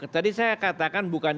tadi saya katakan bukan